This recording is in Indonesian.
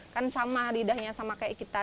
kan sama lidahnya sama kayak kita